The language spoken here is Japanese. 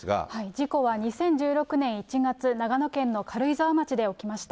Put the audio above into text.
事故は２０１６年１月、長野県の軽井沢町で起きました。